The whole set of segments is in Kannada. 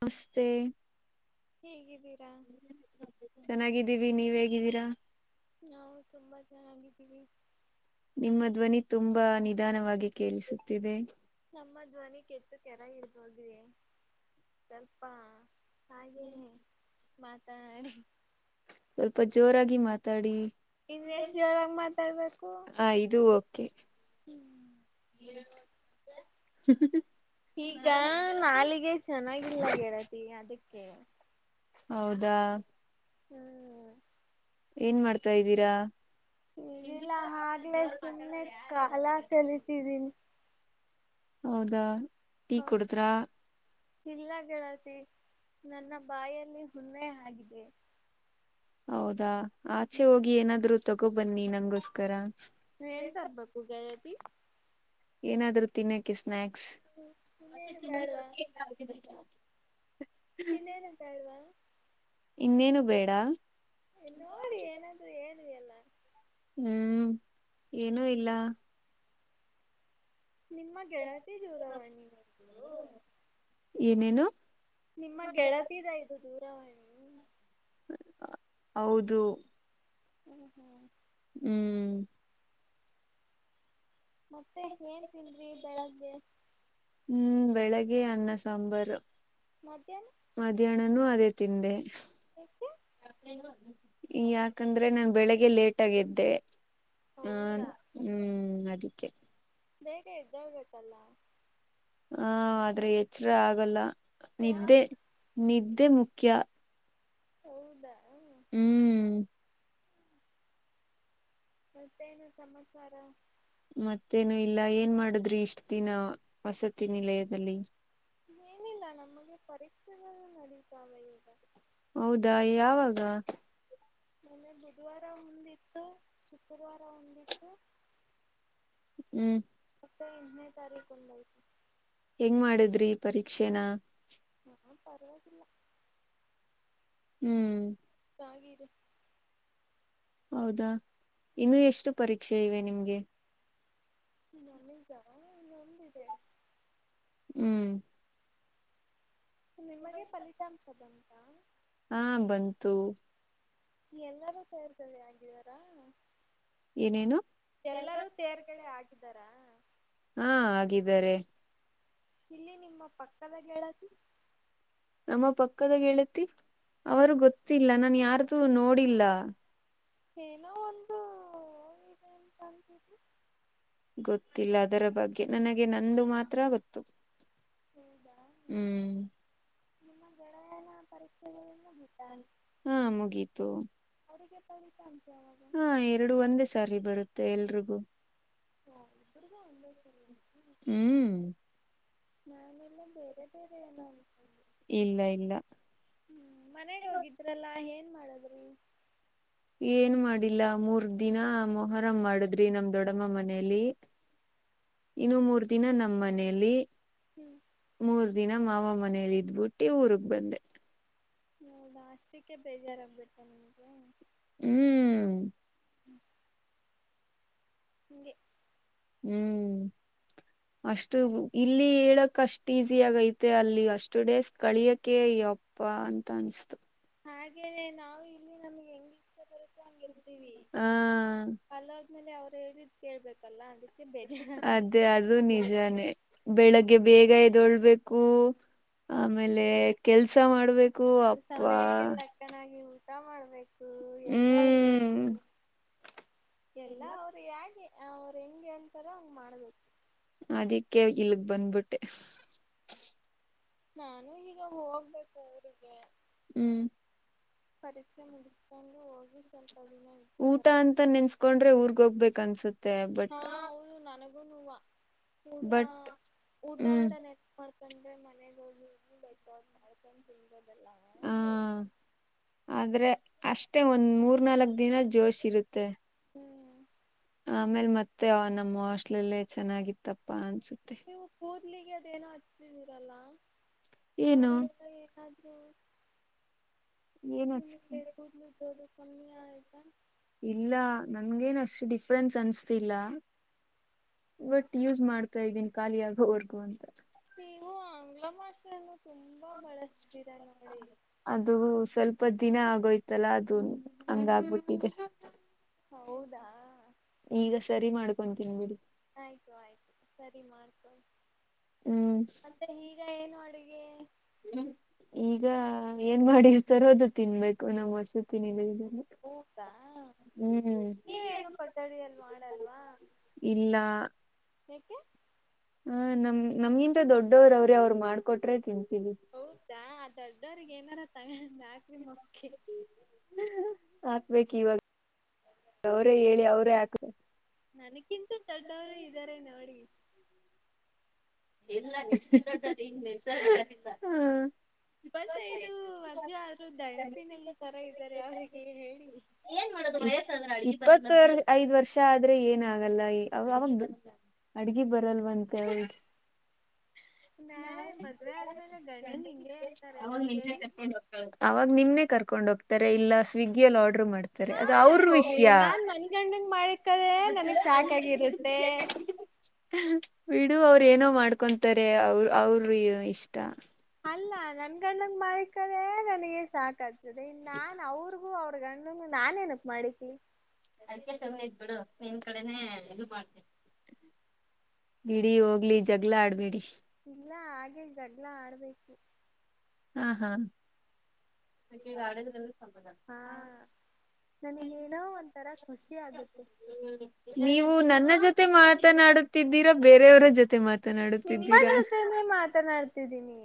ನಮಸ್ತೆ ಹೇಗಿದಿರ ಚೆನಾಗಿದೀವಿ ನೀವ್ ಹೇಗಿದೀರ. ನಾವು ತುಂಬಾ ಚೆನ್ನಾಗಿದ್ದೀವಿ. ನಿಮ್ಮ ಧ್ವನಿ ತುಂಬಾ ನಿಧಾನವಾಗಿ ಕೇಳಿಸುತ್ತಿದೆ. ನಮ್ಮ ಧ್ವನಿ ಕೆತ್ತು ಕೆರೆ ಇರ್ ಹದಿ ಸ್ವಲ್ಪ ಹಾಗೇನೆ ಮಾತನಾಡಿ ಸ್ವಲ್ಪ ಜೋರಾಗಿ ಮಾತಾಡಿ ಇನ್ ಎಷ್ಟ್ ಜೊರಾಗ್ ಮಾತಾಡ್ಬೇಕು. ಹಾ ಇದು ಕೆ [inaudible] ಈಗ ನಾಲಿಗೆ ಚೆನ್ನಾಗಿಲ್ಲ ಗೆಳತಿ ಅದಕ್ಕೆ ಹೌದಾ ಹ್ಮ್ ಏನ್ ಮಾಡ್ತಾ ಇದ್ದೀರಾ [unintelligible] ಇನಿಲ್ಲ ಆಗ್ಲೇ ಸುಮ್ಮನೆ ಕಾಲ ಕಲಿತಿದ್ದೀನಿ [unintelligible] ಹೌದಾ ಟೀ ಕುಡುದ್ರ [unintelligible] ಇಲ್ಲಗಳತಿ ನನ್ನ ಬಾಯಲ್ಲಿ ಹುಣ್ಣೆ ಆಗಿದೆ [unintelligible] ಹೌದಾ ಆಚೆ ಹೋಗಿ ಏನಾದ್ರು ತಗೋಬನ್ನಿ ನಂಗೋಸ್ಕರ [unintelligible] ಏನ್ ತರಬೇಕು ಗೆಳತಿ - [unintelligible] ಏನಾದ್ರೂ ತಿನ್ನೋಕ್ಕೆ ಸ್ನಾಯಾಕ್ಸ್ ಇನ್ನೇನು ಬೇಡವಾ [unintelligible] ಇನ್ನೇನುಂತ ಅಳ್ವಾ [unintelligible] ಇನ್ನೇನು ಬೇಡ ನೋಡಿ [unintelligible] ಏನಾದ್ರು ಹೇಳಿ ಅಲ್ಲ ಹ್ಮ್ ಏನುಇಲ್ಲ [unintelligible] ನಿಮ್ಮ ಗೆಳ [unintelligible] ಏನೇನು [unintelligible] ನಿಮ್ಮ ಗೆಳತಿದ ಇದು ದೂರವಾಣಿ [unintelligible] ಹೌದು [unintelligible] ಹಓ ಹೋ [unintelligible] ಹ್ಮ್ [unintelligible] ಮತ್ತೆ ಏನ್ ತಿನ್ರಿ ಬೆಳಗ್ಗೆ [unintelligible] ಹ್ಮ್ ಬೆಳಿಗ್ಗೆ ಅನ್ನ ಸಾಂಬಾರು [unintelligible] ಮಧ್ಯಾಹ್ನ [unintelligible] ಮಧ್ಯಾಹ್ನನೂ ಅದೇ ತಿಂದೆ ಯಾಕೆ [unintelligible] ಯಾಕಂದ್ರೆ ನಾನ್ ಬೆಳಿಗ್ಗೆ ಲೇಟ್ ಆಗ್ದೇವೆ [unintelligible] ಹ ಹೌದಾ ಹ್ಮ್ ಅದಕ್ಕೆ [unintelligible] ಬೇಗ ಇದ್ದೋಗಬೇಕೇಕಲ್ಲ [unintelligible] ಹಾ ಆದ್ರೆ ಎಚ್ಚ್ರ ಆಗಲ್ಲ ನಿದ್ದೆ ಯಾಕೆ ನಿದ್ದೆ ಮುಖ್ಯ [unintelligible] ಹೌದಾ ಹ [unintelligible] ಹ್ಮ್ [unintelligible] ಮತ್ತೆನು ಸಮಾಚಾರ [unintelligible] ಮತ್ತೇನು ಇಲ್ಲ ಏನ್ ಮಾಡುದ್ರಿ ಇಷ್ಟ ದಿನ ವಸತಿನ ನಿಲಯದಲ್ಲಿ ಏನಿಲ್ಲ ನಮಗೆ ಪರೀಕ್ಷೆಗಳು ನಡೀತಾವೆ ಈಗ ಹೌದಾ ಯಾವಾಗ ಮನ್ನೆ ಬುಧವಾರ ಒಂದಿತ್ತು ಶುಕ್ರವಾರ ಒಂದಿತ್ತು ಹ್ಮ್ ಮತ್ತೆ ಎಂನೇ ತಾರೀಕು ಒಂದು ಆಯಿತು ಹೆಂಗ್ ಮಾಡಿದ್ರಿ ಪರೀಕ್ಷೆನ ನಾನ್ ಪರವಾಗಿಲ್ಲ ಹ್ಮ್ ತಾಗಿದೆ ಹೌದಾ ಇನ್ನು ಎಷ್ಟು ಪರೀಕ್ಷೆ ಇವೆ ನಿಮ್ಗೆ [unintelligible] ನಮ್ಮಿಂದ ನಾ ನಂಬಿದೆ ಹ್ಮ್ ನಿಮಗೆ ಫಲಿತಾಂಶ ಬಂತಾ ಹಾ ಬಂತು ಎಲ್ಲರೂ ಸೇರ್ತದೆ ಆಗಿದಾರಾ ಏನೇನು ಎಲ್ಲರೂ ತೇರ್ಗಡೆ ಹಾಗಿದರ ಹಾ ಆಗಿದ್ದಾರೆ ಇಲ್ಲಿ ನಿಮ್ಮ ಪಕ್ಕದ ಗೆಳತಿು ನಮ್ಮ ಪಕ್ಕದಾಗ ಹೇಳೇತಿ ಅವರು ಗೊತ್ತಿಲ್ಲ ನನ್ ಯಾರ್ದು ನೋಡಿಲ್ಲ ಏನೋ ಒಂದು ಇದೆ ಎಂತಂತಿ ಗೊತ್ತಿಲ್ಲ ಅದರ ಬಗ್ಗೆ ನನಗೆ ನಂದು ಮಾತ್ರ ಗೊತ್ತು ಹೌದಾ ಹ್ಮ್ ನಿಮ್ಮ ಗೆಳೆಯ ಪರೀಕ್ಷೆಗಳಿಂದ ಹಾ ಮುಗೀತು ಅದಿಗೆ ಪರಿ ತಚ ಅವ ಹಾ ಎರಡು ಒಂದೇ ಸಾರಿ ಬರುತ್ತೆ ಎಲ್ರಿಗೂ ಹಬ್ರದ ಒಂದ ಸ ಹ್ಮ್ ನಾನ ಇಲ್ಲ ಬೇರೆ ಬೇರೆ ಏನೋ ಅನ್ಕೊಂಡೆ ಇಲ್ಲ ಇಲ್ಲ ಹ್ಮ್ ಮನೆಗ್ ಹೋಗಿದ್ರಲ್ಲಾ ಏನ್ ಮಾಡದ್ರಿ ಏನ್ ಮಾಡಿಲ್ಲ ಮೂರ್ ದಿನ ಮೊಹರಂ ಮಾಡದ್ರಿ ನಮ್ ದೊಡಮ್ಮ ಮನಲಿ ಇನ್ನು ಮೂರ್ ದಿನ ನಮ್ಮ ಮನೆಯಲ್ಲಿ ಹ್ಞೂ ಮೂರ್ ದಿನ ಮಾವ ಮನೇಲಿ ಇದ್ಬುಟ್ಟಿ ಊರ್ಗ್ ಬಂದೆ ಹೌದಾ ಅಷ್ಟಕ್ಕೆ ಬೇಜಾರಾಗ್ಬಿಡ್ತೆ ನಿಮಗೆ ಹ್ಮ್ ಹ್ಮ್ ಹ್ಮ್ ನಿಗೆ ಹ್ಮ್ ಅಷ್ಟು ಇಲ್ಲಿ ಹೇಳಕ್ ಅಷ್ಟ್ ಈಸಿ ಆಗೈತೆ ಅಲ್ಲಿ ಅಷ್ಟು ಡೇಸ್ ಕಳಿಯಕೆ ಪ್ಪಾ ಅಂತ ಅನ್ಿಸ್ತು ಹಾಗೇನೆ ನಾವು ಇಲ್ಲಿ ನಮ್ಗೆ ಹೆಂಗ್ ಇಷ್ಟ ಬರುತ್ತೆ ಹಗೆರ್ತೀವಿ ಹಾ ಅಲ್ಲದ್ಮೇಲೆ ಅವ್ರು ಹೇಳ ಕೇಳ್ಬೇಕಲ್ಲ ಅದಕ್ಕೆ ಬೇಜಾರಾಗತ್ತೆ ಮ ಅದು ನಿಜಾನೇ ಬೆಳಗ್ಗೆ ಬೇಗ ಇದ್ದೊಳ್ಬೇಕು ಆಮೇಲೆ ಕೆಲ್ಸ ಮಾಡ್ಬೇಕು ಅಪ್ಪ ಚೆನ್ನಾಗಿ ಊಟ ಮಾಡ್ಬೇಕು ಎದ್ದು ಆಡ್ಬೇಕು ಹ್ಮ್ ಎಲ್ಲ ಅವ್ರು ಹೇಗೆ ಅವ್ರು ಹೆಂಗೆ ಅಂತಾರ ಹಂಗೆ ಮಾಡಬೇಕು ಅದಕ್ಕೆ ಇಲ್ಗ್ ಬಂದ್ಬಿಟ್ಟೆ ನಾನು ಈಗ ಹೋಗ್ಬೇಕು ಊರಿಗೆ ಹ್ಮ್ ಪರೀಕ್ಷೆ ಮುಡಿಸ್ಕೊಂಡು ಹೋಗಿ ಸ್ವಲ್ಪ ದಿನ ಇದ್ದು ಊಟ ಬರ್ ಅಂತ ನೆನ್ಸ್ಕೊಂಡ್ರೆ ಊರ್ಗ್ ಹೋಗ್ಬೇಕು ಅನ್ಸುತ್ತೆ ಹಾ ಬಟ್ ಹೌದು ನನಗೂನು ಊಟ ಬಟ್ ಊಟ ಹ್ಮ್ ಅಂತಾನೆ ಮಾಡಡ್ಕೊಂಡ್ರೆ ಮನೆಗ ಹೋಗಿ ಹಿ ಬೇಕ ಮಾಡ್ಕೊಂಡ್ ತಿನ್ನೋದೆಲ್ಲ ಆ ಅಂದ್ರೆ ಆದ್ರೆ ಅಷ್ಟೇ ಒಂದ್ ಮೂರ್ ನಾಲ್ಕ್ ದಿನ ಜೋಶ್ ಇರುತ್ತೆ ಹ್ಮ್ ಆಮೇಲ್ ಮತ್ತೆ ಅವ ನಮ್ಮ ಹಸ್ಟ್ಲಲ್ಲ ಚೆನ್ನಾಗಿತ್ತಪ್ಪ ಅನ್ಸುತ್ತೆ ನೀವು ಕೂದ್ಲಿಗೆ ಅದೇನೋ ಹಚ್ತಿದಿರಲ್ಲ ಏನು ಅದ್ರಿಂದ ಏನಾದ್ರೂ ಏನ್ ಅನ್ಸುತ್ತೆ ಫೇಕೂಡ್ ನಿ ಜೊದು ಕ ನೀ ಆ ಇಲ್ಲ ನನ್ಗೇನು ಅಷ್ಟು ಡಿಫ್ರೆನ್ಸ್ ಅನ್ಸ್ತಿಲ್ಲ. ಬಟ್ ಯೂಸ್ ಮಾಡ್ತಾ ಇದ್ದೀನಿ ಖಾಲಿಯಾಗೋವರ್ಗೂ ಅಂತ. ನೀವು ಆಂಗ್ಲ ಭಾಷೆಯನ್ನು ತುಂಬಾ ಬಳಸ್ತೀರ ಎಲ್ಲ ಕಡೆ. ಅದು ಸ್ವಲ್ಪ ದಿನ ಆಗೋಯ್ತಲ್ಲ ಅದು ಹಂಗಾಗ್ಬಿಟ್ಟಿದೆ. ಹೌದಾ. ಈಗ ಸರಿ ಮಾಡ್ಕೊಂತೀನ್ ಬಿಡಿ. ಆಯ್ತು ಆಯ್ತು ಸರಿ ಮಾಡ್ಕೊಳ್ಳಿ. ಹ್ಮ್ ಸ [inaudible] ಈಗ ಏನು ಅಡುಗೆ. ಹ್ಮ್ ಈಗ ಏನ್ ಮಾಡಿರ್ತಾರೋ ಅದು ತಿನ್ಬೇಕು ನಮ್ ವಸತಿ ನಿಲಯದಲ್ಲಿ. ಹೌದಾ ನೀವೇ ಏನು ಕೊಠಡಿಯಲ್ಲಿ ಮಾಡಲ್ವಾ. ಇಲ್ಲ. ಯಾಕೆ. ಹ್ಮ್ ನಮ್ ನಮಗಿಂತ ದೊಡ್ಡವ್ರ್ ಅವ್ರೆ ಅವ್ರ್ ಮಾಡ್ಕೊಟ್ರೆ ತಿಂತೀವಿ. ಹೌದಾ ದೊಡ್ಡವ್ರಿಗೆ ಏನಾರ ತಗಂಡ್ ಹಾಕರಿ ಮಕ್ಕೆ. ಹಾಕ್ಬೇಕು ಇವಾಗ ಅವರೇ ಹೇಳಿ ಅವರೇ ಹಾಕ್ ನನಕಿಂತ ದೊಡ್ಡವರು ಇದ್ದಾರೆ ನೋಡಿ. ಇಲ್ಲ [unintelligible] ನಿಜಾ ಹೇಳ್ತಾ ಇದ್ದೀನಿ ನಾನು. ಇಪ್ಪತೈದು ವರ್ಷ ಆದ್ರೂ [unintelligible] ತರ ಇದ್ದಾರೆ ಅವರಿಗೆ ಹೇಳಿ. ಇಪ್ಪತ್ತು ಐದ್ ವರ್ಷ ಆದ್ರೆ ಏನ ಆಗಲ್ಲ ಅದ್ ಅವ ಅಡಿಗಿ ಬರಲ್ವಂತೆ ಅವ್ ನಾಳೆ ಮದ್ವೆ ಆದ್ಮೇಲೆ ಗಂಡನ್ ಹಿಂಗೆ ಹೇಳ್ತಾರೇನೋ ಕೇಳಿ. ಆವಾಗ್ ನಿಮ್ನೆ ಕರ್ಕೊಂಡ್ ಹೋಗ್ತಾರೆ ಇಲ್ಲ ಸ್ವಿಗ್ಗಿಯಲ್ ಆರ್ಡರ್ ಮಾಡ್ ತಾರೆ ಅದು ನಾನ್ ಅವ್ರ್ ಯಾಕ್ ಹೋಗ್ಲಿ ವಿಷಯ. ನಾನ್ ನನ್ ಗಂಡಂಗ್ ಮಾಡಿಕದೆ ನನಗ್ ಸಾಕಾಗಿರುತ್ತೆ ಬಿಡು ಅವ್ರ್ ಏನೋ ಮಾಡ್ಕೊಂತಾರೆ ಅವ್ ಅವ್ರ್ ಇಷ್ಟ. ಅಲ್ಲ ನನ್ ಗಂಡಂಗ್ ಮಾಡ್ ಇಕ್ಕೋದೇ ನನಗೆ ಸಾಕಾಗ್ತದೆ ಇನ್ ನಾನ್ ಅವರ್ ಗೂ ಅವ್ರ್ ಗಂಡಂಗು ನಾನ ಏನಕ್ ಮಾಡ್ ಇಕ್ಲಿ. ಬಿಡಿ ಹೋಗ್ಲಿ ಜಗಳ ಆಡ್ಬೇಡಿ. ಇಲ್ಲ ಹಾಗೆ ಜಗ್ಳ ಆಡ್ಬೇಕು. ಹಾ ಹಾ. ನನಿಗ್ ಏನೋ ಒಂಥರ ಖುಷಿ ಆಗುತ್ತೆ. ನೀವು ನನ್ನ ಜೊತೆ ಮಾತನಾಡುತ್ತಿದ್ದೀರಾ ಬೇರೆಯವರ ಜೊತೆ ಮಾ ನಿಮ್ಮ ಜೊತೆನೆೇ ಮಾತನಾಡ್ತಿದ್ದೀನಿ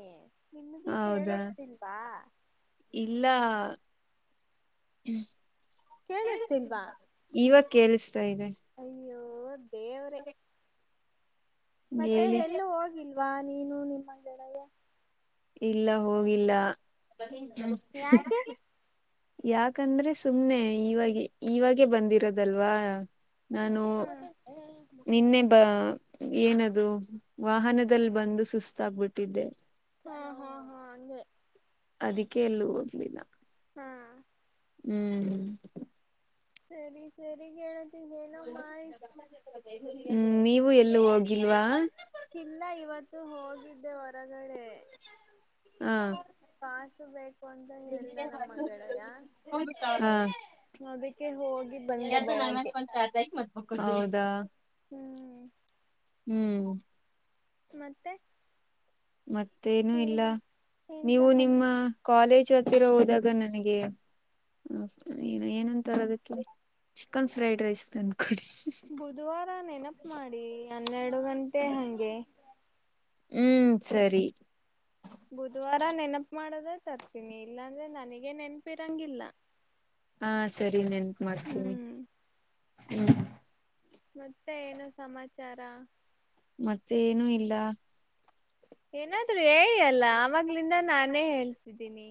ನಿಮ್ಗೆ ಹೌದಾ ಕೇಳಸ್ತಿಲ್ವಾ. ಇಲ್ಲ. ಹ್ಮ್. ಕೇಳಿಸ್ತಿಲ್ವಾ ಕೇಳಿಸ್ತಾ ಇದೆ ಅಯ್ಯೋ ದೇವ್ರೆ. ಮತ್ತೆ ಹೇಳಿ ಎಲ್ಲೂ ಹೋಗಿಲ್ವಾ ನೀನು ನಿಮ್ಮ ಗೆಳೆಯಾ. ಇಲ್ಲ ಹೋಗಿಲ್ಲ. ಯಾಕೆ ಯಾಕಂದ್ರೆ ಸುಮ್ನೆ ಈವಾಗ ಇವಾಗೆ ಬಂದಿರೋದಲ್ವಾ. ನಾನು ಅಲ್ಲೇನು ಕರತೈತೆ ಮಕ್ಕಳೇ ನಿನ್ನೆ ಬ ಏನದು ವಾಹನದಲ್ ಬಂದು ಸುಸ್ತಾಗ್ ಬಿಟ್ಟಿದ್ದೆ. ಹಾ ಹಾ ಹಾ ಹಂಗೆ. ಅದಕ್ಕೆ ಎಲ್ಲೂ ಹೋಗಿಲ್ಲ ಹಾ ಹ್ಮ್. ಸರಿ ಸರಿ ಗೆಳತಿ ಅದೇನೋ ಮಾಡಿ. ಹ್ಮ್ ನೀವು ಎಲ್ಲೂ ಹೋಗಿಲ್ವಾ. ಇಲ್ಲ ಇವತ್ತು ಹೋಗಿದ್ದೆ ಹೊರಗಡೆ ಹಾ ಕಾಸು ಬೇಕು ಅಂತ ಹೇಳಿದ ನಮ್ಮ ಗೆಳೆಯ ಹಾ ಅದಕ್ಕೆ ಹೋಗಿ ಬಂದೆ ಬೆಳಗ್ಗೆ [unintelligible] ಹೌದಾ ಹ್ಮ್ [inaudible] ಹ್ಮ್ ಮತ್ತೆ ಮತ್ತೇನು ಏನ್ ಇಲ್ಲ ಏನ್ ನೀವು ಸಮ ನಿಮ್ಮ ಕಾಲೇಜ್ ಹತ್ತಿರ ಹೋದಾಗ ನನಗೆ [unintelligible] ಏ ಏನ್ ಏನಂತಾರೆ ಅದಿಕ್ಕೆ ಚಿಕನ್ ಫ್ರೈಡ್ ರೈಸ್ ತಂಡ್ಕೊಡಿ ಬುಧವಾರ ನೆನಪು ಮಾಡಿ ಹನ್ನೆರಡು ಗಂಟೆ ಹಂಗೆ ಹ್ಮ್ ಸರಿ ಬುಧವಾರ ನೆನಪ ಮಾಡಿದ್ರೆ ತರ್ತೀನಿ ಇಲ್ಲಾಂದ್ರೆ ನನಗ ನೆನಪಿರಂಗಿಲ್ಲ ಹಾ ಸರಿ ನೆನ್ಪ್ ಹ್ಮ್ ಮತ್ತೆ ಏನು ಸಮಾಚಾರ ಮತ್ತೆ ಏನು ಇಲ್ಲ ಏನಾದ್ರು ಹೇಳಿ ಅಲ್ಲ ಅವಗ್ಲಿಂದ ನಾನೇ ಹೇಳ್ತಿದ್ದೀನಿ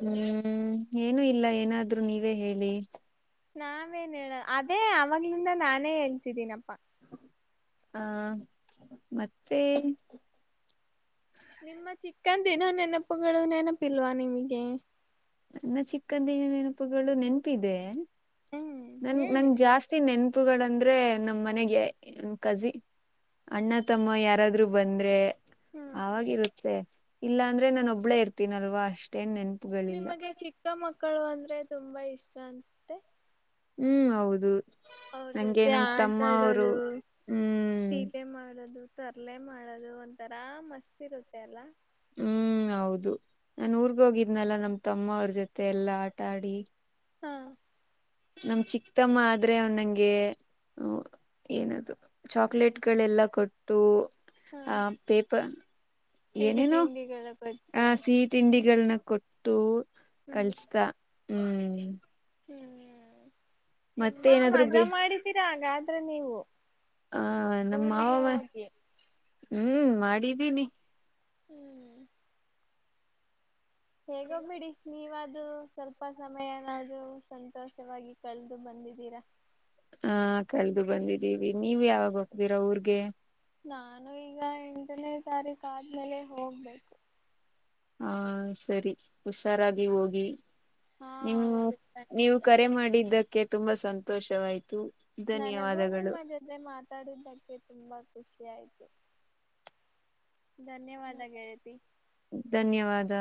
ಹ್ಮ್ ಏನು ಇಲ್ಲ ಏನಾದ್ರು ನೀವೇ ಹೇಳಿ ನಾವೇನ್ ಹೇಳ ಅದೇ ಅವಾಗ್ಲಿಂದ ನಾನೇ ಹೇಳ್ತಿದ್ದೀನಪ್ಪಾ ಹ ಮತ್ತೆ ನಿಮ್ಮ ಚಿಕ್ಕನ್ ದಿನ ನೆನಪುಗಳು ನೆನಪಿಲ್ವಾ ನಿಮಗೆ ನನ್ನ ಚಿಕ್ಕಂದಿನ ನೆನಪುಗಳು ನೆನಪಿದೆ ಹ್ಮ್ ನನ್ ನನ್ ಹೇಳಿ ಅಲ್ಲ ಜಾಸ್ತಿ ನೆನಪುಗಳಂದ್ರೆ ನಮ್ ಮನೆಗೆ ಕಝಿ ಅಣ್ಣ ತಮ್ಮ ಯಾರಾದ್ರೂ ಬಂದ್ರೆ ಹ್ಮ್ ಆವಾಗಿರುತ್ತೆ ಇಲ್ಲಾ ಅಂದ್ರೆ ನಾನ ಒಬ್ಬಳೇ ಇರ್ತೀನಲ್ವಾ ಅಷ್ಟೇನ್ ನೆನಪುಗಳು ನಿಮಗೆ ಚಿಕ್ಕ ಮಕ್ಕಳು ಅಂದ್ರೆ ತುಂಬಾ ಇಷ್ಟ ಹ್ಮ್ ಹೌದು ಅವ್ರ ನಂಗೆ ಜೊತೆ ನಮ್ ಆಟ ತಮ್ಮ ಅವರು ಆಡೋದು ಹ್ಮ್ ತೀಟೆ ಮಾಡೋದು ತರ್ಲೆ ಮಾಡೋದು ಒಂಥರಾ ಮಸ್ತ್ ಇರುತ್ತೆ ಅಲ್ಲ ಹ್ಮ್ ಹೌದು ನನ್ ಊರ್ಗ ಹೋಗಿದ್ನಲ್ಲ ನಮ್ ತಮ್ಮ ಅವ್ರ ಜೊತೆ ಎಲ್ಲಾ ಆಟಾ ಆಡಿ ಹಾ [unintelligible] ನಮ್ ಚಿಕ್ತಮ್ಮ ಆದ್ರೆ ಅವ ನಂಗೆ ಏನದು ಚಾಕ್ಲೇಟ್ಗಳೆಲ್ಲ ಕೊಟ್ಟು ಹಾ ಆ ಪೇಪರ್ ಸಿಹಿ ಏನೇನು ತಿಂಡಿಗಳ ಆ ಬಗ್ಗೆ ಸಿತ್ ತಿಂಡಿಗಳನ್ನ ಕೊಟ್ಟು ಹ್ಮ್ ಕಳ್ಸ್ತ ಹ್ಮ್ ಹ್ಮ್ ಮತ್ತೆ ತುಂಬಾ ಏನಾದ್ರು ಬೇ ಮಜಾ ಮಾಡಿದ್ದೀರಾ ಹಾಗಾದ್ರೆ ನೀವು ಹ ನಮ್ಮ ಊರಿಗೆ ಮಾವವ ಹೋಗಿ ಹ್ಮ್ ಮಾಡಿದ್ದೀನಿ ಹ್ಮ್ [unintelligible] ಹೇಗೋ ಬಿಡಿ ನೀವು ಆದರೂ ಸ್ವಲ್ಪ ಸಮಯ ಆದರು ಸಂತೋಷವಾಗಿ ಕಳೆದು ಬಂದಿದ್ದೀರಾ. ಹಾ ಕಳೆದು ಬಂದಿದ್ದೀವಿ ನೀವು ಯಾವಾಗ ಹೋಗ್ತೀರಾ ಊರಿಗೆ. ನಾನು ಈಗ ಎಂಟನೇ ತಾರೀಕು ಆದ್ಮೇಲೆ ಹೋಗ್ಬೇಕು. ಹಾ ಸರಿ ಹುಷಾರಾಗಿ ಹೋಗಿ. ಹಾ ನೀವು ಹೌದು ನೀವು ಖಂಡಿತ ಕರೆ ಮಾಡಿದ್ದಕ್ಕೆ ತುಂಬಾ ಸಂತೋಷವಾಯ್ತು. ನನಗೂ ಧನ್ಯವಾದಗಳು ನಿಮ್ಮ ಜೊತೆ ಮಾತಾಡಿದ್ದಕ್ಕೆ ತುಂಬಾ ಖುಷಿ ಆಯ್ತು. ಧನ್ಯವಾದ ಹೇಳಿದಿ ಧನ್ಯವಾದ